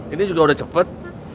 ini juga udah cepet